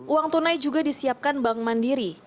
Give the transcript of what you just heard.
uang tunai juga disiapkan bank mandiri